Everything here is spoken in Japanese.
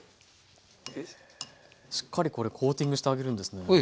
しっかりこれコーティングしてあげるんですね。